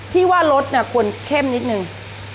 พี่ว่ารสควรเข้มนิดนึง